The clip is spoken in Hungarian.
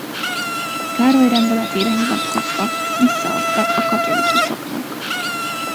Károly rendeletére hivatkozva visszaadtak a katolikusoknak.